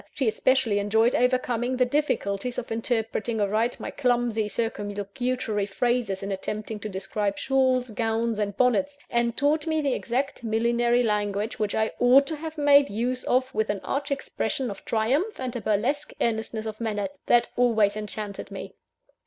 She especially enjoyed overcoming the difficulties of interpreting aright my clumsy, circumlocutory phrases in attempting to describe shawls, gowns, and bonnets; and taught me the exact millinery language which I ought to have made use of with an arch expression of triumph and a burlesque earnestness of manner, that always enchanted me.